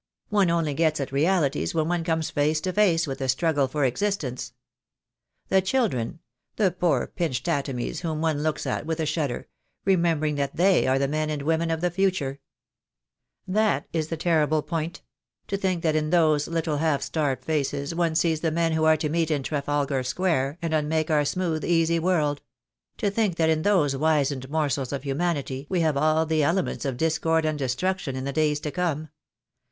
"One only gets at realities when one comes face to face with the struggle for existence. The children — the poor pinched atomies whom one looks at with a shudder, remembering that they are the men and women of the future ! That is the terrible point — to think that in those little half starved faces one sees the men who are to meet in Trafalgar Square and unmake our smooth, easy world — to think that in those wizened morsels of humanity we have all the elements of discord and destruction in the days to come.